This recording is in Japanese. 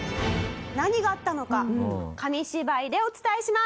何があったのか紙芝居でお伝えします。